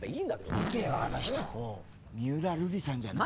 「見てよあの人三浦瑠麗さんじゃない？」